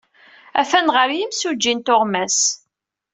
Attan ɣer yimsujji n tuɣmas.